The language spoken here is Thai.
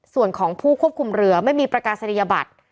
ส่วนของผู้ควบคุมเรือไม่มีประกาศนียบัตร